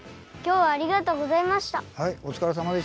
はいおつかれさまでした。